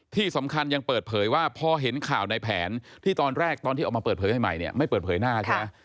ที่สำคัญยังเปิดเผยว่าพอเห็นข่าวในแผนที่ตอนแรกตอนที่ออกมาเปิดเผยใหม่เนี่ยไม่เปิดเผยหน้าใช่ไหม